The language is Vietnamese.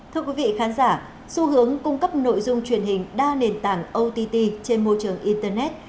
thưa quý vị khán giả xu hướng cung cấp nội dung truyền hình đa nền tảng ott trên môi trường internet